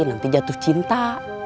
nanti jatuh cinta